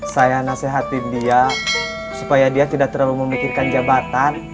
saya nasihatin dia supaya dia tidak terlalu memikirkan jabatan